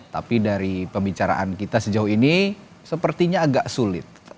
tapi dari pembicaraan kita sejauh ini sepertinya agak sulit